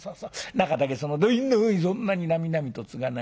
中だけその土瓶の上にそんなになみなみとつがない。